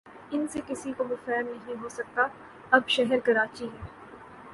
ان سے کسی کو مفر نہیں ہو سکتا اب ہر شہر کراچی ہے۔